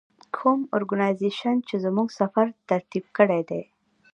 کوم ارګنایزیشن چې زموږ سفر ترتیب کړی دی.